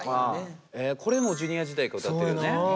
これもＪｒ．時代から歌ってるよね。